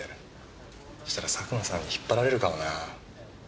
そしたら佐久間さんに引っ張られるかもなぁ。